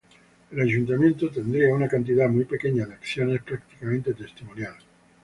El Ayuntamiento tendría una cantidad muy pequeña de acciones, prácticamente testimonial.